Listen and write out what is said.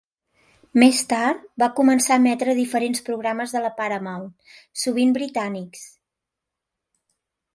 Més tard va començar a emetre diferents programes de la Paramount, sovint britànics.